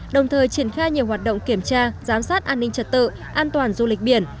đồng thời triển khai nhiều hoạt động kiểm tra giám sát an ninh trật tự an toàn du lịch biển